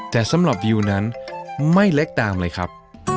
แต่สำหรับวิวนั้นไม่เล็กตามเลยครับ